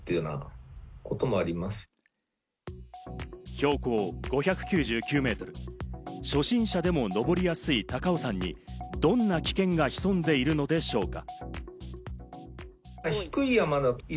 標高５９９ｍ、初心者でも登りやすい高尾山に、どんな危険が潜んでいるのでしょうか？